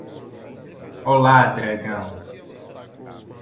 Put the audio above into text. Olá dragão